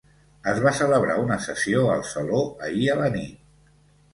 Es va celebrar una sessió al saló ahir a la nit.